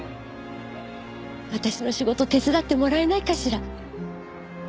私の仕事手伝ってもらえないかしら？